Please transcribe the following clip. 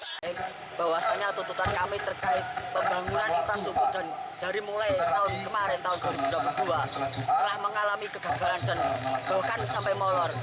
perkiranya pembangunan infrastruktur dan dari mulai tahun kemarin tahun dua ribu dua puluh dua telah mengalami kegagalan dan belokan sampai molor